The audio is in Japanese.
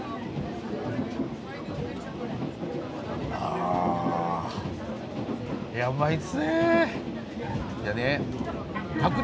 あいやうまいですね。